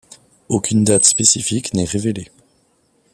Aucune date spécifique n'est révélée.